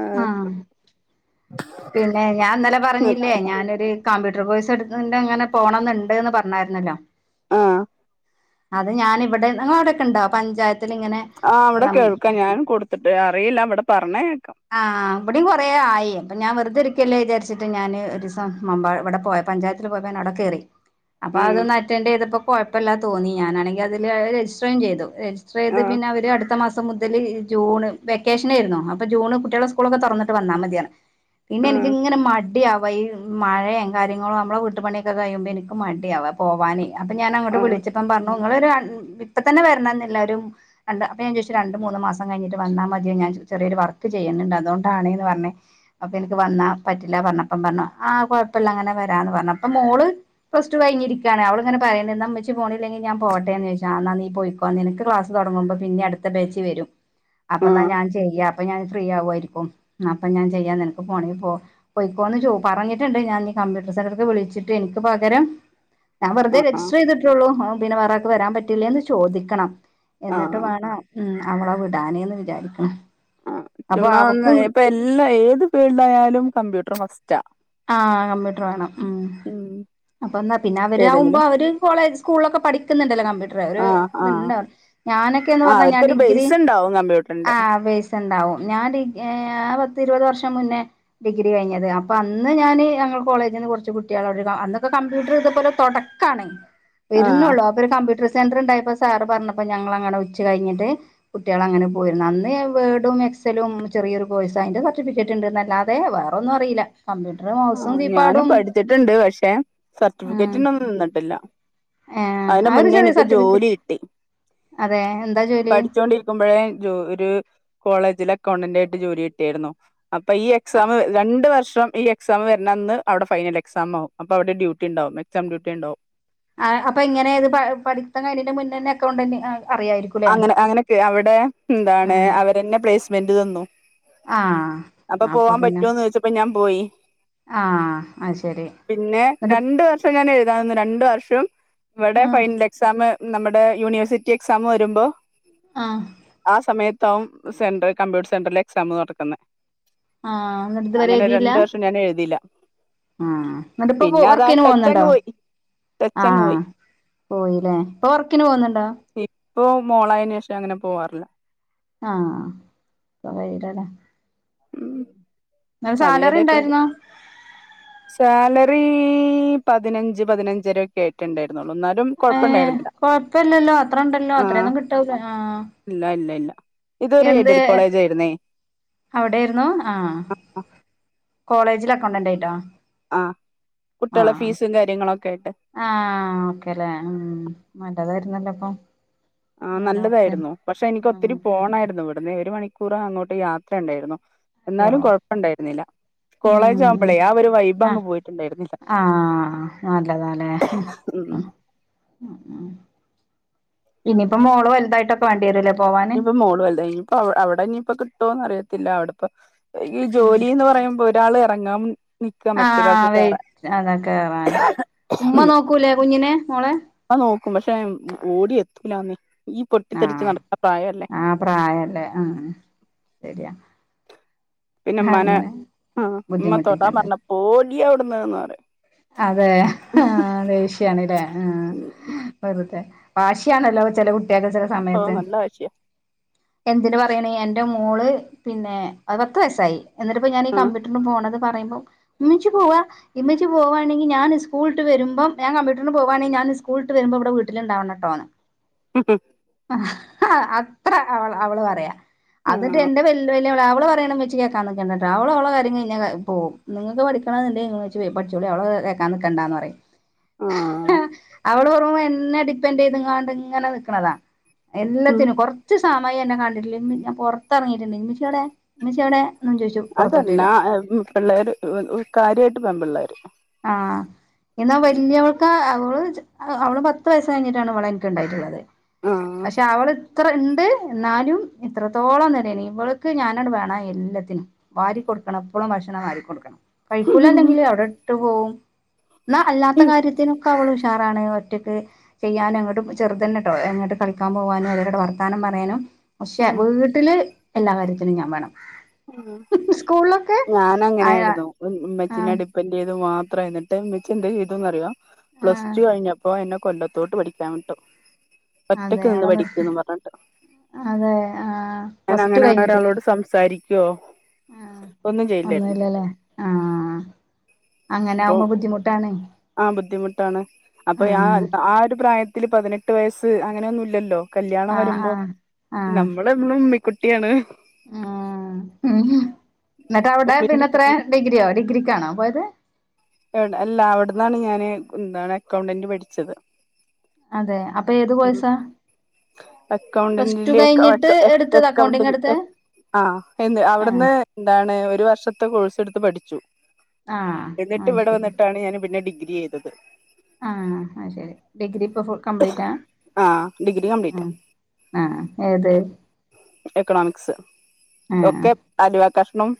ആഹ് ആഹ്‌ പിന്നെ ഞാൻ ഇന്നലെ പറഞ്ഞില്ലേ ഞാനൊരു. കമ്പ്യൂട്ടർ കോഴ്സ് എടുക്കുന്ന് ണ്ട് അങ്ങനെ പോണംന്നുണ്ട് എന്ന് പറഞ്ഞായിരുന്നല്ലോ. ആഹ് അത് ഞാനെ ഇവടെ നിങ്ങ അവിടെക്കെണ്ടോ പഞ്ചായത്തില് ഇങ്ങനെ. ആഹ്‌ വിടെ നം കേൾക്കാം ഞാൻ കൊടുത്തിട്ട് അറിയില്ല വടെ പറഞ്ഞേ കേക്കാം. ആഹ്‌ ആഹ് ഇവടിം കൊറേ ആയി. ഞാൻ വെർതെര്ക്കല്ലേ വിചാരിച്ച്ട്ട് ഞാന് ഒരുസം മമ്പാ വടെ പോയപ്പോ പഞ്ചായത്തില് പോയപ്പോ അവടെ കേറി. അപ്പൊ ഉം അതൊന്ന് അറ്റൻഡറ് ചെയ്തപ്പോ കൊഴപ്പല്ലാന്ന് തോന്നി ഞാനാണെങ്കിൽ അതില് രജിസ്റ്ററും ചെയ്തു. രജ് സ്ട്രിസ്റ്ററെയ്ത് ആഹ് പിന്നെ അവര് അടുത്ത മാസം. പ്പോ മുതല് ജൂണ് വെക്കേഷനേരുന്നു അപ്പൊ ജൂണ് കുട്ട്യേളെ സ്കൂളൊക്കെ തുറന്നിട്ട് വന്നാൽ മതിയർഞ്ഞ്. പിന്നെ ആഹ് എനിക്ക്ങ്ങനെ മ ടിയാവ ഈ മഴേ കാര്യങ്ങളോ നമ്മള വീട്ടു പണിയൊക്കെ കഴിയുമ്പോഎനിക്ക് മടിയാവ പോവാന് അപ്പൊ ഞാന് അങ്ങോട്ട് ആഹ് വിളിച്ചപ്പം പറഞ്ഞു നങ്ങളൊരു ഇപ്പ തന്നെ വരണന്നില്ല ഒരു. രണ്ട് അപ്പൊഞാൻ ചോയിച്ചു രണ്ട് മൂന്ന് മാസം കയിഞ്ഞിട്ട് വന്നാ മത്യോ ഞാൻ ചെറിയൊരു വർക്ക് ചെയ്യുന്നുണ്ട് അതോണ്ടാണ് ന്ന് പറഞ്ഞ്. അപ്പൊ എനിക്ക് വന്നാ പറ്റില്ല പറഞ്ഞപ്പം പറഞ്ഞു ആ കൊഴപ്പല്ല അങ്ങനെ വരാന്ന് പറഞ് അപ്പ മോള്. പ്ലസ് ടു കൈഞ്ഞിരിക്കാണ് അവള് ങ്ങനെ പറിണ്ട് ന്നാ മ്മച്ചി പോണില്ലെങ്കി ഞാ പോട്ടേന്ന് ചോയിച്ചു ആ ന്നാ നീ പോയി പ്പൊ നിനക്ക് ക്ലാസ് തുടങ്ങുമ്പോ പിന്നിം അടുത്ത ബേച്ച്. വരും അപ്പന്നാ ഞാൻ ചെയ്യ അപ്പൊ ഞാൻ ഫ്രീ ആവുയിരിക്കും അപ്പൊ ഞാൻ ചെയ്യാ നിനക്ക് പോണേ പോ. പോയിക്കോന്ന് ചോ പറഞ്ഞിട്ടുണ്ട് ഞാൻ ഞ്ഞി കമ്പ്യൂട്ടർ സെന്റർക്ക് വിളിച്ചിട്ട് എനിക്ക് പകരം. ഞാൻ വെറുതെ ആഹ് ആഹ് രജിസ്റ്റർ ചെയ്തിട്ടുള്ളൂ പിന്നെ വേറാൾക്ക് വരാൻ പറ്റില്ലേ ന്ന് ചോദിക്കണം. എന്നട്ട് ആഹ് വേണം ഉം അവള വിടാന് ന്ന് വിചാരിക്ക്‌ ണ്. ആ ചുമ്മാ ഒന്ന് ഇപ്പൊ എല്ലാ ഏത് ഫീൽഡ് ആയാലും കമ്പ്യൂട്ടർ ഫസ്റ്റാ. ആഹ്‌ കമ്പ്യൂട്ടർ വേണം ഉം. അപ്പൊന്നാ പിന്നെ അവരാകുമ്പോ ഏതെങ്കിലും അവര് കോളേജ് സ്കൂളിലൊക്കെ പഠിക്കുന്നുണ്ടല്ലോ കമ്പ്യൂട്ടർ ഒര് ആഹ് ത് ആഹ് ണ്ടവർ ഞാനൊക്കെ എന്ന് പറഞ്ഞാ ഞാൻ ഡിഗ്രി. കമ്പ്യൂട്ടർന്റെ ണ്ടാവും ഞാൻ ഡിഗ് ഏ പത്തിരുപത് വർഷം മുന്നേ ഡിഗ്രി കഴിഞ്ഞത് അപ്പ ന്ന് ഞാന് ഞങ്ങൾ കോളേജിന്ന് കൊർച്ച് കുട്ട്യേള് അവ്ടൊരു അന്നൊക്കെ കമ്പ്യൂട്ടർ ഇത്പോലെ തൊടക്കാണ്. ആഹ് വര്നൊള്ളൂ അപ്പൊ ഒരു കമ്പ്യൂട്ടർ സെന്റർണ്ടായിപ്പോ സാറ് പറഞ്ഞപ്പ ഞങ്ങൾ അങ്ങനെ ഉച്ച കഴിഞ്ഞിട്ട്. കുട്ടികൾ അങ്ങനെ പോയിരുന്നു. അന്ന് വേർഡും എക്സലും ചെറിയൊരു കോഴ്സ് അതിന്റെ സർട്ടിഫിക്കറ്റ് ഉണ്ട്ന്ന ല്ലാതെ. തെ വേറെ ഒന്നും അറീല. കമ്പ്യൂട്ടർ മൗസും ആഹ് ഞാനും കീപ്പാടും പഠിച്ചിട്ടുണ്ട് പക്ഷെ ഉം. സർട്ടിഫിക്കറ്റിനൊന്നും നിന്നിട്ടില്ല ഏഹ്‌ അതിന്റെ അ ഒരു മുന്നേ ചെറിയ എനിക്ക് ജോലി സർട്ടിഫിക്കറ്റ് കിട്ടി അതെ എന്താ ജോലി? ബാങ്ക് ജോ ഒരു കോളേജില് അക്കൗണ്ടന്റ് ആയിട്ട് ജോലി കിട്ടിയായിരുന്നു. അപ്പൊ ഈ എക്സാം രണ്ട് വർഷം ഈ എക് എക്സാം വരണന്ന് അവിടെ ഫൈനൽ എക്സാം ആവും അപ്പോ അവിടെ ഡ്യൂട്ടി ണ്ടാവും എക്സാം ഡ്യൂട്ടി ണ്ടാവും. ആഹ് അപ്പൊ ഇ. ങ്ങനെ ഏത് പഠിത്തം കഴിണിന്റെ മുന്നെന്നെ അകൗണ്ടന്റ് അറിയായിരിക്കും അങ്ങനെ അങ്ങനെയൊക്കെ അവിടെ എന്താണ് ആഹ് അവരന്നെ പ്ലേസ്മെന്റ് തന്നു ആഹ് അപ്പൊ പോവാൻ പറ്റൊന്ന് ചോയ്ച്ചപ്പൊ ഞാൻ പോയി ആഹ് അത് ശരി പിന്നെ എന്നിട്ട് രണ്ട വ - ഇപ്പൊ ഞാൻ എഴുതാന്നത് രണ്ടു വർഷം ഇവിടെ ആഹ് ഫൈനൽ എക്സാമ് നമ്മുടെ യൂണിവേഴ്സിറ്റി എക്സാമു ആയിട്ട് രുമ്പോ ആഹ് ആ സമയത്താവും സെന്റർ കമ്പ്യൂട്ടർ സെന്റൽ എക്സാം നടക്കുന്നത് ആഹ് നദ് വരെ എഴുതില്ല ഞൻ എഴുതില്ല ആഹ് എന്നിട്ട് ഇപ്പൊ വർക്കന് ടച്ച് അങ്ങ് പോകുന്നുണ്ടോ പോയി ടച്ച് അങ്ങ് പോയി ആഹ് പോയില്ലേ ഇപ്പൊ വർക്കിന് പോകുന്നുണ്ടോ ഇപ്പൊ മോളായന് ശേഷം അങ്ങനെ പോവാറില്ല ആഹ് ഇപ്പൊകഴിയുലടാ ഉം അതെ സാലറി അതേ പെൺ ഉണ്ടായിരുന്നോ സാലറി പതിനഞ്ച് പതിനഞ്ചരൊക്കെ ആയിട്ടുണ്ടായിരുന്നുള്ളൂ എന്നാല് - ഏ കൊഴപ്പല്ലല്ലോ അത്ര ഉണ്ടല്ലോ അത്രയൊന്നും കിട്ടുല്ല ആഹ് ഇല്ലല്ല എന്ത് അവിടെയിരുന്നു ആഹ് കോളേജിൽ അക്കൗണ്ടന്റ് ആയിട്ടാ ആ കുട്ടികളെ ഫീസും കാര്യങ്ങള ഒക്കെ ആയിട്ട് ആഹ് ഓക്കേല്ലേ ഉം നല്ലതായിരുന്നല്ലോ അപ്പൊ ആഹ്‌ നല്ല വർക്ക് നല്ലതായിരുന്നു പക്ഷെ എനിക്ക് ഒത്തിരി ആഹ് പോണായിരുന്നു ഇവിടുന്ന് ദെ ഒരു മണിക്കൂറ അങ്ങോട്ട് യാത്ര ഉണ്ടായിരുന്നു അയ്യോ എന്നാലും കൊഴപ്പുണ്ടായിരുന്നില്ല ഉം കോളേജ് ഉം ആവുമ്പോളേ ആ ഒരു വൈബ് അങ്ങ് ആഹ് പോയിട്ടുണ്ടായിരുന്നില്ല ആഹ് ഉം ഉം ഉം ഇനിയിപ്പോ മോള് വലുതായിട്ടൊ - വാൺണ്ടേരുല്ലേ പോവാൻ ഇഞ്ഞിയിപ്പോ മോളുവലുതായി ഇഞ്ഞിപ്പോ അവിടെ ഇത്തിപ്പൊ കിട്ടോന്ന് അറിയത്തില്ല അവിടെപ്പൊ റി ഈ ഉം ജോലി എന്ന് പറയുമ്പോ ഒരാൾ ഇറങ്ങം ആഹ വെറ്റ് അതെ കേറാന് ഉമ്മ നോക്കൂലേ കുഞ്ഞിനെ മോളെ ആഹ് നോക്കും പക്ഷേ ഓടിയ എത്തൂലന്ന് ഈ പൊട്ടിത്തെറിച്ച് ആഹ് നടക്കാ പ്രായല്ലേ ആ പ്രായല്ലേ ആ ശരിയാ അ പിന്നെ ഇമ്മാനെ അ ഇമ്മ ബുദ്ധിമുട്ടിക്കണ്ട തൊടാൻപറഞ്ഞ പോടിയവിടുന്ന് എന്ന് പറയും അതെ ആ ദേഷ്യണല്ലേ ആ വെറുതെ വാശിയണല്ലോ ചെല കുട്ട്യാൾക്ക് ഓ ചെലെസമയത്ത് നല്ല വാശിയാ എന്തിന് പറയണ് എന്റെ മോള് പിന്നെ പത്ത് വയസായി എന്നിട്ട്പ്പൊ ഞാൻ ഈ ആ കമ്പ്യൂട്ടറിന് പോണത്പറയുബോ ഇമ്മച്ചി പോവാ ഇമ്മച്ചി പോ- പോവാണെങ്കി ഞാൻ സ്കൂള്ട്ട് വരുമ്പം ഞാൻ കമ്പ്യൂട്ടറിന് പോവാണി ഞാൻ സ്ക്കൂൾട്ട് വരുബോ ഇവിടെ വീട്ടിലുണ്ടാവണട്ടോ [inaudible] ഹും ഹും ആഹ് അത്ര അവ അവള് പറയാ അത്ട്ട് എന്റെ വല്ല് അല്ല അവള് പറയണ ഇമ്മച്ചി കേൾക്കാനിക്കണ്ടട്ടൊ ഓള് ഓളെ കാര്യം കഴിഞ്ഞാ ക പോവും നിങ്ങൾക്ക് പഠിക്കണംന്നിണ്ടങ്കി ഇമ്മച്ചി പഠിച്ചൊ - ചോളി അവള് കേക്കാ നിക്കണ്ടാന്ന് പറയും ആഹ് അവള് വെറും എന്നെ ഡിപ്പെന്റെയ്ത്ങ്ങാണ്ട് ഇങ്ങനെ നിക്ക്ണതാ ഉം എല്ലത്തിനും കൊർ കൊറച്ച് സമയന്നെ കണ്ടിട്ടില്ലെ ഞാൻ പുറത്തിറങ്ങിട്ട്ണ്ടങ്കി ഉമ്മച്ചിവിടെ ഇമ്മച്ചിവിടെ അതല്ല പിള്ളേര് കാര്യായിട്ട് പെൺ പിള്ളേര് ആഹ്. എന്നാ വലിയോൾക്ക് അവള് അവള് പത്ത് വയസ്സ് കഴിഞ്ഞിട്ടാണ് ഇവളെ എനിക്ക് ഉണ്ടായിട്ടുള്ളത്. ആഹ് പക്ഷെ അവൾ ഇത്ര ഇണ്ട് എന്നാലും ഇത്രത്തോളം ഇല്ലായ്ന്ന് ഇവൾക്ക് ഞാനാട് വേണം എല്ലാത്തിനും. വാരി കൊടുക്കണം ഇപ്പഴും ഭക്ഷണം വാരി കൊടുക്കണം. കഴക്കൂല അല്ലെങ്കിൽ അവിടെ ഇട്ട് പോവും എന്നാ അല്ലാത്ത കാര്യത്തിന് ക്ക അവള് ഉഷാറാണ് ഒറ്റയ്ക്ക് ചെയ്യാനും എങ്ങോട്ടും ചെറുതന്നെട്ടോ എങ്ങോട്ട് കളിക്കാൻ പോകാനും അങ്ങട്ട് വർത്താനം പറയാനും. പക്ഷെ വീട്ടില് എല്ലാ കാര്യത്തിനും ഞാൻ വേണം. ഉം സ്കൂളിലൊക്കെ ഞാൻ ആയ അങ്ങനെയായിരുന്നു ഉമ്മച്ചിന്റെ ആഹ് അടി ന്നേത് മാത്രംഎന്നിട്ട് ഇമ്മച്ചി എന്തെ ചെയ്തറിയോ പ്ലസ് ആഹ് ടു കഴിഞ്ഞപ്പോ എന്നെ കൊല്ല ത്തോട്ട് പഠിക്കാൻ വിട്ടു അതെ ഒറ്റക്ക് നിന്ന് അവിടെ നിർത്തി പഠിക്ക്ന്ന് പറഞ്ഞിട്ട്. അതെ ആഹ് ഞാൻ പ്ലസ് ടു അങ്ങനെ കഴിഞ്ഞിട്ടില്ലേ ഒരളോട് സംസാരിക്കോ ആഹ് ഒന്നും ചെയ്യില്ലായിരുന്നു ഒന്നുംല്ലല്ലേ ആഹ്. അങ്ങനെ അപ്പൊ ആവുമ്പോ ബുദ്ധിമുട്ടാണ് ആഹ് ബുദ്ധിമുട്ടാണ് അപ്പൊ ആ ആഹ് ആ ഒരു പ്രായത് ത്തിൽപതിനെട്ട് വയസ്സ് അങ്ങനെന്നുംഇല്ലല്ലോ കല്ല്യാണം ആഹ് വരുമ്പോ ആഹ് ആഹ് നമ്മള് ഇബ്ള് ഉമ്മിക്കുട്ടിയാണ്. ആഹ് എന്നിട്ട് അവിടെ ഉമ്മിന്റെ പിന്നെത്ര ഡിഗ്രിയോ ഡിഗ്രിക്കാണോ പോയത്. അല്ല അവിടന്നാണ് ഞാന് എന്താണ് അക്കൗണ്ടന്റ് പഠിച്ചത്. അതെ അപ്പൊ ഏത് കോയ്സാ? അക്കൗണ്ടന്റിലേ ക്ക കഴിഞ്ഞിട്ട് അക്ക എടുത്തത് അക്കൗണ്ടിങ് എടുത്തെ ആഹ് എന്ന് ആഹ് അവിടുന്ന് എന്താണ് ഒരു വർഷത്തെ കോഴ്സ് എടുത്ത് പഠിച്ചു ആഹ് എന്നിട്ട് മാഷ് ഇവിടെ വന്നിട്ടാണ് ഞാൻ പിന്നെ ഡിഗ്രി ചെയ്തത്. ആഹ് അത്ശരി ഡിഗ്രി ഇപ്പൊ ഫു കംപ്ലീറ്റ് ആ ആഹ് ഡിഗ്രി കംപ്ലീറ്റ് ആഹ് ആഹ് ഏത്. എക്കാണോമിക്സ് ആഹ് ഒക്കെ. അലുവ കഷ്ണം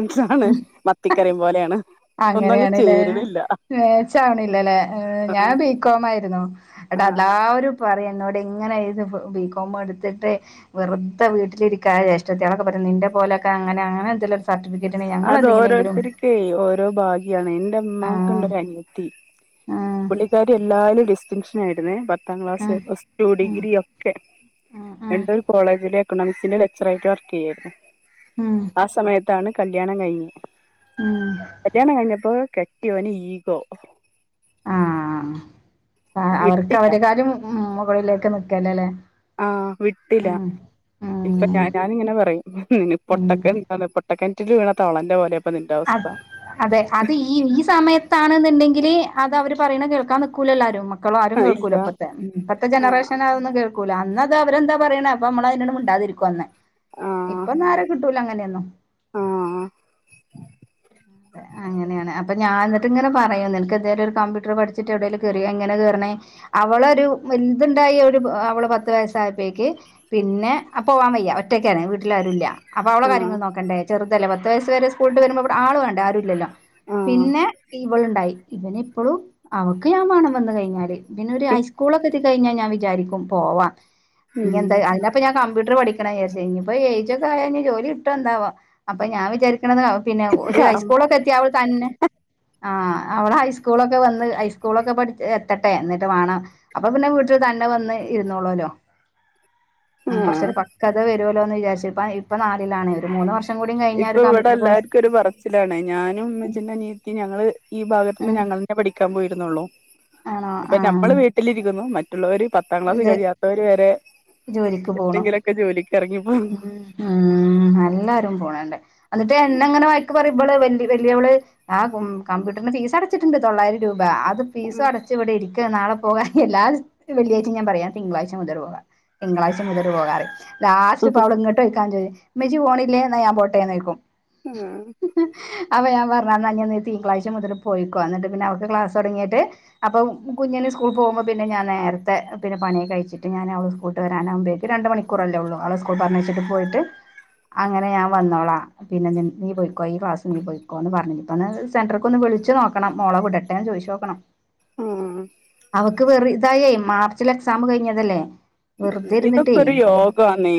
എന്താണ് മത്തിക്കറിയും പോലെയാണ്. ഒന്നും അങ്ങ് അങ്ങനെയാണല്ലേ ചേരണില്ല മെച്ച് ആവ്ണില്ലല്ലേ ആഹ് ഞാൻ ബികോം ആയിരുന്നു. ട്ട് ആഹ് എല്ലാവരും പറയും എന്നോട് ഇങ്ങനെ എഴുത്ത് ബികോം എടുത്തിട്ട്. വെറുത വീട്ടിരിക്ക ജേഷ്ഠത്തിയാളൊക്കെ പറയും നിന്റെ പോലെയൊക്കെ അങ്ങെനെ അങ്ങനെ എന്തെലും സർടിഫ് അത് ഓരോരുത്തർക്ക് ഓരോ ഭാഗ്യ ഗ്യാണ്. ഇന്റെ ആഹ് ഇമാക്ക്ണ്ട് ഒര് അനയത്തി ആഹ് പുള്ളിക്കാരി എല്ലാല്ലും ഡിസ്റ്റിങ്ഷൻ ആയിരുന്നേ പത്താം ക്ലാസ്സ്‌ ആഹ് ഫസ് ടു ഉം ഡിഗ്രി ഒക്കെ ഉം എന്നിട്ട് ഒരു കോളേജില് എക്കണോമിക്സിന്റെ ലെക്ചറായിട്ട് വർക്ക് ചെയ്യായിരുന്നു. ഉം ആ സമയത്താണ് കല്ല്യാണം കഴിഞ്ഞ്. ഉം. കല്ല്യാണം കഴിഞ്ഞപ്പോ കെട്ടിയോന് ഈഗോ. ആഹ് അവർക്ക് വിട്ടില്ല അവരെ കാരും ഉം മുകളിലേക്ക് നിക്കല്ലേ അല്ലേ. ആഹ് വിട്ടില്ല ഇപ്പ ഞ ഞാനിങ്ങനെ പറയും ഉം പൊട്ടക്കെ ആത് പൊട്ടക്കനറ്റിൽ വീണ തവളന്റെ പോലെ. ഇപ്പൊ നിന്റെ അത് അവസ്ഥ അതെ അത് ഈ ഈ സമയത്താണെന്നുണ്ടെങ്കില് അത് അവര് പറയ്ണ് കേൾക്കാൻ നിക്കൂലല്ലോ ആരും. മക്കളും ആരും ആഹ് ഇല്ല കേൾകൂല്ല ഇപ്പത്തെ ഇപ്പത്തെ ആഹ് ജനറേഷന് അതൊന്ന് കേ ക്കൂല അന്ന് അത് അവരെന്താ പറയ്ണ് അപ്പ നമ്മൾ അതിനാട് മിണ്ടാതിരിക്കും അന്ന്. ആഹ് ഇപ്പൊന്നരെ കിട്ടൂല അങ്ങനെയൊന്നും. ആഹ് അങ്ങനെയാണ് അപ്പൊ ഞാൻ. ഇങ്ങെനെ പറയും നിനക്ക് എന്തേലും ഒരു കമ്പ്യട്ടർ പഠിച്ചിട്ട് എവിടേലും കെറി എങ്ങനെ കേർണ്. അവളൊരു വാല്ത്ണ്ടായി ഒരു അവള് പത്ത് വയസ്സായപ്പോക്ക്. പിന്നെ അപ്പൊ പോവാൻ വയ്യ ഒറ്റക്കാണ് വീട്ടിൽ ആരുല്ല. അപ്പ അവള ആഹ് കാര്യങ്ങൾ നോക്കണ്ടേ ചെറുതല്ലേ പത്ത് വയസ് വരെ സ്കൂളിട്ടു വരുമ്പോ അവിടെ ആള് വേ വിടെരൂല്ലല്ലോ ആഹ് പിന്നെ ഇവളുണ്ടായി പിന്നെ ഇപ്പോളും അവക്ക് ഞാൻ വേണം വന്നു കഴിഞ്ഞാല് പിന്നെ ഒരു ഹൈസ്കൂളൊക്കെ എത്തിക്കഴിഞ്ഞാൽ ഞാൻ വിചാരിക്കും പോവാം ഇനി എന്താ അതി അപ്പ ഞാൻ കമ്പ്യൂട്ടർ പഠിക്കണ വിചാരിച്ച ഇനിപ്പോ ഏജ് ഒക്കെ ആയാ ജോലി കിട്ടോ എന്താവോ അപ്പ ഞാൻ വിചാരി നിക്കണതോ പിന്നെ ഒരു ഉം ഹൈസ്കൂളൊക്കെ എത്തിയാ അവള് തന്നെ ആഹ് അവള് ഹൈസ്കൂളൊക്കെ വന്ന് ഹൈസ്കൂളൊക്കെ പഠി എത്തട്ടെ എന്നിട്ട് വേണം അപ്പൊ പിന്നെ വീട്ടിൽ തന്നെ വന്ന് ഇരുന്നോളൂല്ലോ ആഹ് കുറച്ചൊരു പക്വത വരുമല്ലോ എന്ന് വിചാരിച്ചു ഇപ്പ ഇപ്പൊ നാലിലാണ് ഒരു മൂന്ന് വർഷ ഇപ്പൊ ഇവിടെ എല്ലാർക്കും ഒരു പറച്ചി ലാണ് ഞാനും ഉമ്മച്ചിൻ്റെ അനിയത്തിം ഞങ്ങള് ഈ ഭാഗത്തന്ന് ഞങ്ങളന്നെ പഠിക്കാൻ പോയിരുന്നുള്ളോ ആഹ് അ നമ്മള് വീട്ടിലിരിക്കുന്നു മ മറ്റുള്ളവര് പത്താം ക്ലാസ് ഇത് കഴിയാത്തവര് വരെ ജോലിക്ക് പോണു എന്തെങ്കിലുക്കെ ജോലിക്ക് ഇറങ്ങിപ്പോ ഉം ഉം എല്ലാരും പോണുണ്ട് എന്നിട്ട് എന്നെ അങ്ങനെ വയക്ക് പറയും ഇവള് വല്യവള് ആഹ് കമ്പ്യൂട്ടറിന് ഫീസ് അടച്ചിട്ടുണ്ട് തൊള്ളായിരം രൂപ അത് ഫീസും അടച്ച് ഇവിടെ ഇരിക്കുവാ നാളെ പോകാ എല്ലാ [unintelligible] ഞാൻ പറയാ തിങ്കളാഴ് മുതൽ പോകാം തിങ്കളാഴ്ച മുതൽ പോകാറയും ലാസ്റ്റ് ഇപ്പൊ അവളിങ്ങ [unintelligible] ഉമ്മച്ചി പോണില്ലേ എന്ന ഞാൻ പോട്ടേന്ന് ചോയ്ക്കും ഉം അപ്പ ഞാൻ പറഞ്ഞാന്നാ നീ തിങ്കളാഴ്ച്ച മുതൽ പോയിക്കോ എന്നിട്ട് പിന്നെ അവർക്ക് ക്ലാസ് തുടങ്ങിട്ട് അപ്പം കുഞ്ഞിന് സ്കൂൾ പോകുമ്പോ പിന്നെ ഞാൻ നേരത്തെ [unintelligible] പിന്നെ പണിയെക്കൊ കഴിച്ചിട്ട് ഞാൻ അവള് സ്കൂളിട്ട് വരാനാവുമ്പോക്ക് രണ്ട് മണിക്കൂറല്ലേ ഉള്ളൂ അവള് സ്കൂൾ പറഞ്ഞയച്ചിട്ട് പോയിട്ട് അങ്ങനെ ഞാൻ വന്നോളാ പിന്നെ നീ പോയിക്കോ ഇയ്യ് ക്ലാസ് നീ പോയിക്കോ എന്ന് പറഞ്ഞ് ഒന്ന് സെന്റർക്ക് ഒന്ന് വിളിച്ച് നോക്കണം മോളോ വിട [unintelligible] ചോയിച്ച് നോക്കണം ഉം മക്ക് വെറു ഇതായേ മാർച്ചിൽ എക്സാം കഴിഞ്ഞതല്ലേ വെറുതെ ഇതൊക്കെ ഇരുന്നിട്ടേ ഒരു ഓ യോഗാന്നേ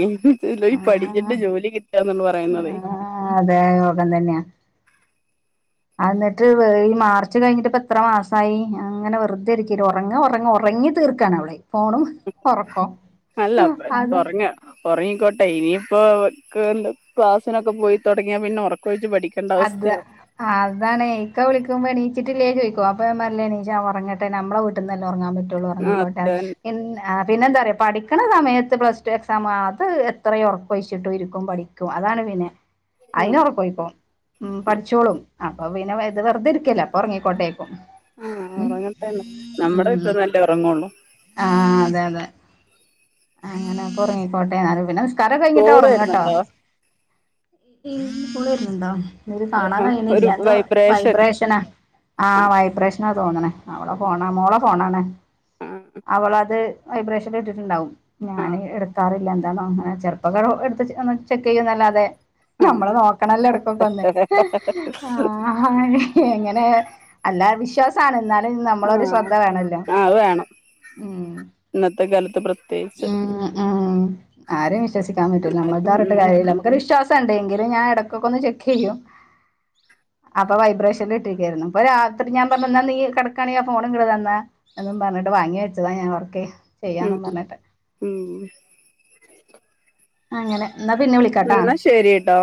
ഈ ആ പഠിച്ചിട്ട് ജോലി കിട്ടാന്നു പറയുന്നതേ ആഹ് അതെ യോഗം തന്നെയാ അന്നിട്ട് ഈ മാർച്ച് കഴിഞ്ഞിട്ട് ഇപ്പ എത്ര മാസായി അങ്ങനെ വെറുതെരിക്കാ ഉറങ്ങാ ഉറങ്ങാ ഉറങ്ങി തീർക്കണാവളെ ഫോണും ഉറക്കോം അല്ല അത് ഉറങ്ങ ഉറങ്ങിക്കോട്ടെ ഇനിയിപ്പോ [unintelligible] ക്ലാസ്സിനൊക്കെ പോയിത്തൊടങ്ങിയാ പിന്നെ ഉറക്കൊഴിച്ച് പഠിക്കു അതേ ആഹ് അതാണ് ഇക്ക വിളിക്കുമ്പോ നീച്ചിട്ടില്ലേ ചോയിക്കും അപ്പ ഞ പറഞ്ഞന് ഇല്ലാ ഉറങ്ങട്ടെ നമ്മളെ വീട്ടന്നല്ലേ ഉറങ്ങാൻ പറ്റു റ്റുള്ളൂ ആ ഉറങ്ങിക്കോട്ടെ അതന്നെ പിന്ന പിന്നെ എന്താ അറിയോ പഠിക്കണ സമയത്ത് പ്ലസ് ടു എക്സാം അത് എത്ര ഉറക്കൊഴിച്ചിട്ടും ഇരിക്കും പഠിക്ക ക്കും അതാണ് പിന്നെ അയിന് ഒറക്കം ഒയിക്കും ഉം ആ പഠിച്ചോളും അപ്പൊ പിന്നെ ഇത് വെറുതെരിക്കുല്ലേ അപ്പൊറങ്ങിക്കോട്ടേവെക്കും ആഹ് ഉറങ്ങട്ടെന്ന് നമ്മുടെ അടുത്ത്ന്നല്ലേ ഉറങ്ങള്ളൂ ആഹ് അതെ അതെ അങ്ങനൊക്കെ ഉറങ്ങിക്കോട്ടെന്ന് പിന്നെ നിസ്കാരൊക്കെ കഴിഞ്ഞിട്ടാ കോള് ഉറങ്ങട്ടോ വരുന്നുണ്ടോ കോൾ വരുന്നുണ്ടോ കാണാൻ ഒരു കഴിയണില്ല എന്തോ വൈബ്രേഷൻ വൈബ്രേഷനാ ആ ആഹ് വൈബ്രേഷനാ തോന്നണേ അവളെ ഫോണാ മോളെ ഫോണാണ് ആ അവളത് വൈബ്രേഷൻ ഇട്ടിട്ടുണ്ടാവും ആ ഞാൻ എടുക്കാറില്ല എന്തണോ അങ്ങനെ ചെറു [unintelligible] എടുത്ത് നമ്മ ചെക്ക് ചെയ്യുംന്നല്ലാതെ ആ നമ്മള് ആ നോക്കണല്ലോ എടക്കൊക്കെന്ന് ആഹ് ആഹ് എങ്ങനെ അല്ലാ വിശ്വാസ [unintelligible] ണ് എന്നാലും നമ്മളൊരു ശ്രദ്ധ വേണല്ലോ ആ അത് വേണം ഉം ഇന്നത്തെ കാലത്ത് പ്ര ഉം ഉം ആരേം വിശ്വസിക്കാൻ പറ്റൂല നമ്മള് പറഞ്ഞിട്ട് ഉം കാര്യില്ല വിശ്വാസ ഉണ്ടെങ്കില് ഞാൻ ഇടക്കൊക്കെന്ന് ചെക്കെയ്യും. അപ്പൊ വൈബ്രേഷനിൽ ഇട്ടിരിക്കായിരുന്നു ഇപ്പൊ രാത്രി ഞാൻ പറഞ്ഞു ന്നാ നീ കിടക്കാണെങ്കി ഫോൺ ഇങ്ങ് തന്നേ എന്നും പറഞ്ഞിട്ട് വാങ്ങി വെച്ചതാ ഞാൻ വർക്ക്‌ ഉം ചെയ്യാംന്ന് പറഞ്ഞിട്ട്. ഉം അങ്ങനെ ന്നാ പിന്നെ വിളി എന്ന ശരി ട്ടോ.